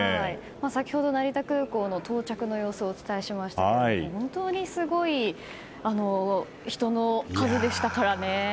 先ほど成田空港の到着の様子をお伝えしましたけど本当にすごい人の数でしたからね。